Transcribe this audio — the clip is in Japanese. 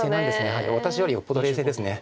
私よりよっぽど冷静です。